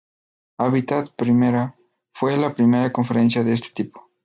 Hábitat I fue la primera conferencia de este tipo.